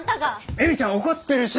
恵美ちゃん怒ってるし！